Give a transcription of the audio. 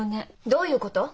どういうこと？